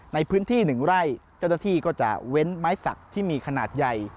ในพื้นที่๑ไร่เจ้าหน้าที่ก็จะเว้นไม้สักที่มีขนาดใหญ่